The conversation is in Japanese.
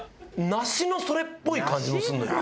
梨のそれっぽい感じもするのよ。